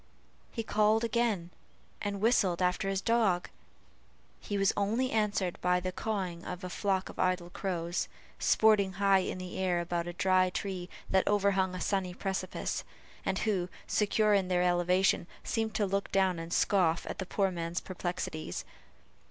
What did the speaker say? He again called and whistled after his dog; he was only answered by the cawing of a flock of idle crows, sporting high in the air about a dry tree that overhung a sunny precipice; and who, secure in their elevation, seemed to look down and scoff at the poor man's perplexities.